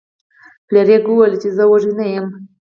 فلیریک وویل چې زه وږی نه یم.